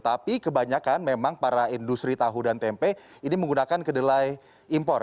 tapi kebanyakan memang para industri tahu dan tempe ini menggunakan kedelai impor